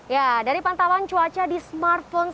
ya dari pantauan cuaca di smartphone